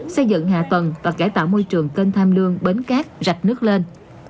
xây dựng hạ tầng và cải tạo môi trường kênh tham lương bến cát rạch nước lên